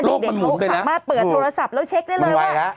โรคมันหมุนไปแล้วเด็กเด็กเขาสามารถเปิดโทรศัพท์แล้วเช็คได้เลยว่ามันไหวแล้ว